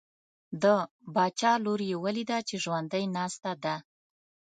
د باچا لور یې ولیده چې ژوندی ناسته ده.